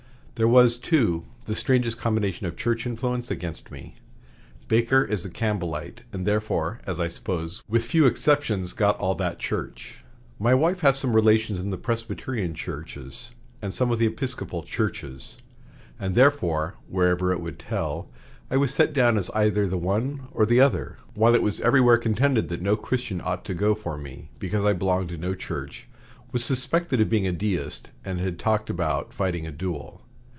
There was, too, the strangest combination of church influence against me. Baker is a Campbellite, and therefore, as I suppose, with few exceptions got all that church. My wife has some relations in the Presbyterian churches and some with the Episcopal churches; and therefore, wherever it would tell, I was set down as either the one or the other, while it was everywhere contended that no Christian ought to go for me, because I belonged to no church, was suspected of being a deist, and had talked about fighting a duel.